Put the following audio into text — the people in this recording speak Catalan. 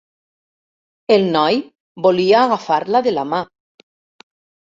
El noi volia agafar-la de la mà.